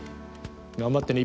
頑張ってね。